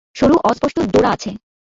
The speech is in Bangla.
সরু অস্পষ্ট ডোরা আছে।